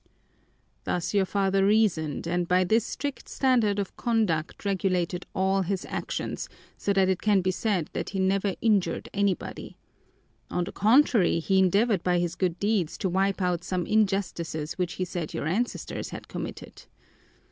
Thus your father reasoned and by this strict standard of conduct regulated all his actions, so that it can be said that he never injured anybody. On the contrary, he endeavored by his good deeds to wipe out some injustices which he said your ancestors had committed.